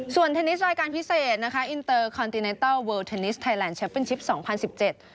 ส่วนเทนนิสรายการพิเศษนะคะอินเตอร์คอนติไนเติลเวิลเทนนิสไทยแลนดแชมปินชิปสองพันสิบเจ็ด